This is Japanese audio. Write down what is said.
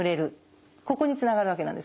ここにつながるわけなんです。